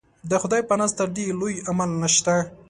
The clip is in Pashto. د خدای په نزد تر دې لوی عمل نشته.